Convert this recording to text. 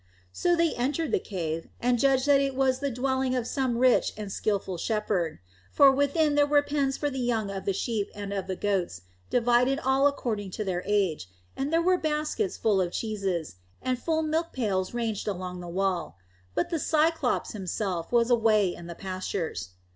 So they entered the cave, and judged that it was the dwelling of some rich and skilful shepherd. For within there were pens for the young of the sheep and of the goats, divided all according to their age, and there were baskets full of cheeses, and full milkpails ranged along the wall. But the Cyclops himself was away in the pastures.